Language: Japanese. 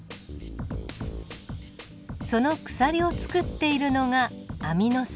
その鎖を作っているのがアミノ酸。